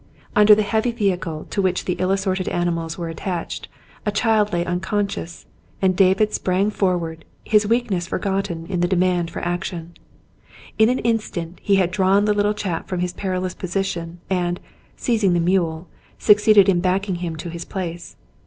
Under the heavy vehicle to which the ill assorted ani mals were attached, a child lay unconscious, and David sprang forward, his weakness forgotten in the demand for action. In an instant he had drawn the little chap from his perilous position and, seizing the mule, succeeded in backing him to his place.